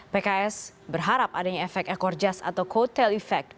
pks berharap adanya efek ekor jazz atau coattail effect